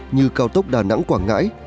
như cao tốc đà nẵng quảng ngãi